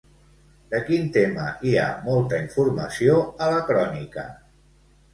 De quin tema hi ha molta informació a la crònica?